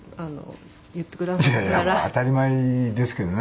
いやいや当たり前ですけどね